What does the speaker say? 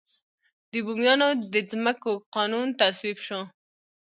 د بوميانو د ځمکو قانون تصویب شو.